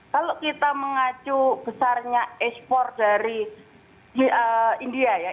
kalau kita mengacu besarnya ekspor dari india ya